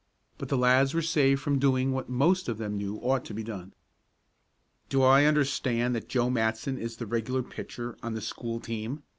But the lads were saved from doing what most of them knew ought to be done. "Do I understand that Joe Matson is the regular pitcher on the school team?"